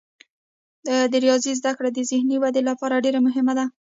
د ریاضي زده کړه د ذهني ودې لپاره ډیره مهمه ده.